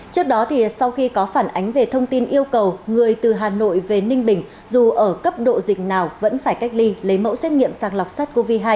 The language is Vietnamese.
trước đó sau khi có phản ánh về thông tin yêu cầu người từ hà nội về ninh bình dù ở cấp độ dịch nào vẫn phải cách ly lấy mẫu xét nghiệm sàng lọc sars cov hai